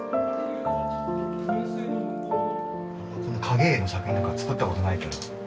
影絵の作品なんか作ったことないから。